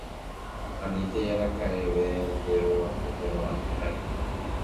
Anitéi araka'eve nde rogahoja ho'a nde ári